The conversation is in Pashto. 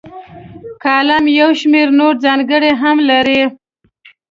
کالم یو شمیر نورې ځانګړنې هم لري.